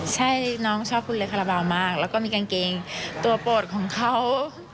ใช่น้องชอบคนเล็กขระแบบไหมแล้วก็มีกางเกงตัวโปรดของเค้า